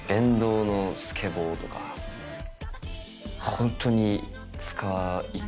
ホントに。